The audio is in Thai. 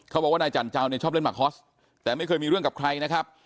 บอกว่านายจันเจ้าเนี่ยชอบเล่นมาฮอสแต่ไม่เคยมีเรื่องกับใครนะครับ